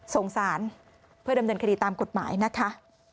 ส่งสารเพื่อดำเนินคดีตามกฎหมายนะคะ